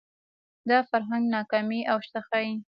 دا فرهنګ ناکامۍ اوج ښيي